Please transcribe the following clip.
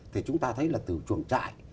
thì chúng ta thấy là từ chuồng trại